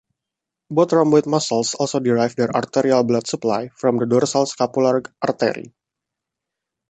Both rhomboid muscles also derive their arterial blood supply from the dorsal scapular artery.